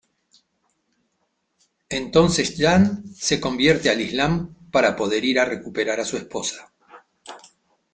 Entonces Gian se convierte al Islam para poder ir a recuperar a su esposa.